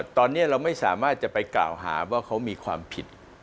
ตอนนี้เราไม่สามารถจะไปกล่าวหาว่าเขามีความผิด